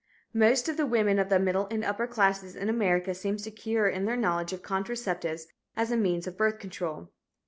Most of the women of the middle and upper classes in America seem secure in their knowledge of contraceptives as a means of birth control.